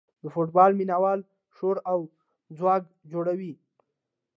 د فوټبال مینه وال شور او ځوږ جوړوي.